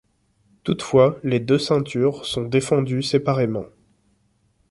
Toutefois, les deux ceintures sont défendues séparément.